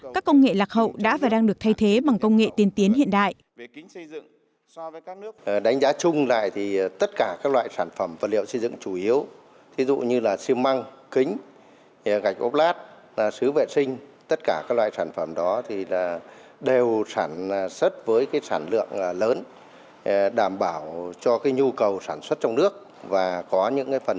các công nghệ lạc hậu đã và đang được thay thế bằng công nghệ tiên tiến hiện đại